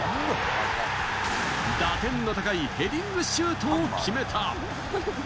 打点の高いヘディングシュートを決めた。